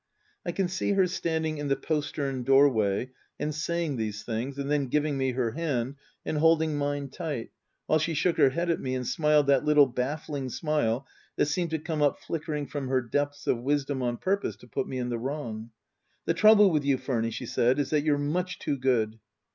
I can see her standing in the postern doorway and saying these things and then giving me her hand and holding mine tight, while she shook her head at me and smiled that little baffling smile that seemed to come up flickering from her depths of wisdom on purpose to put me in the wrong. " The trouble with you, Furny," she said, " is that you're much too good."